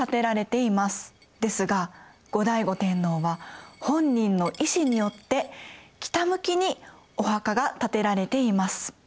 ですが後醍醐天皇は本人の意思によって北向きにお墓が建てられています。